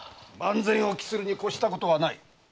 万全を期するに越したことはない。